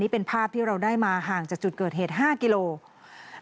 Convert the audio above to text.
เป็นภาพที่เราได้มาห่างจากจุดเกิดเหตุ๕กิโลกรัม